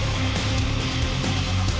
mas ini dia mas